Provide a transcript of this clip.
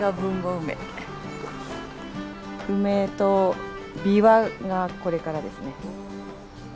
梅とびわがこれからですね。